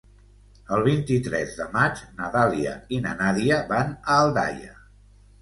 El vint-i-tres de maig na Dàlia i na Nàdia van a Aldaia.